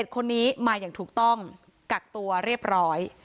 คนนี้มาอย่างถูกต้องกักตัวเรียบร้อย